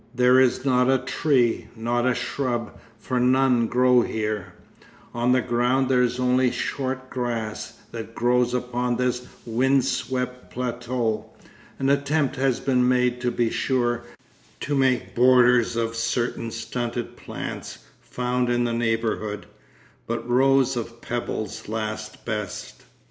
There is not a tree, not a shrub, for none grow here: on the ground there is only the short grass that grows upon this wind swept plateau. An attempt has been made, to be sure, to make borders of certain stunted plants found in the neighbourhood, but rows of pebbles last best.